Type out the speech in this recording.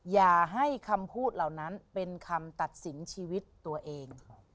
อย่าให้คำพูดเหล่านั้นเป็นคำตัดสินชีวิตตัวเอง